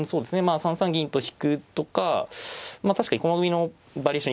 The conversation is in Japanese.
３三銀と引くとかまあ確かに駒組みのバリエーション